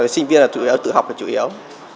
sinh viên là chủ yếu tự học là chủ yếu